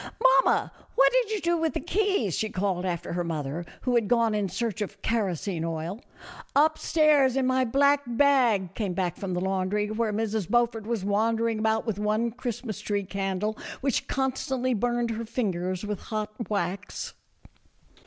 " Mamma, what did you do with the keys ?" bin. 226 A FURNISHED COTTAGE BY THE SEA. called after her mother, who had gone in search of kerosene oil. " Up stairs in my black bag," came back from the laundry, where Mrs. Beaufort was wandering about with one Christmas tree candle, which constantly burned her fingers with hot wax.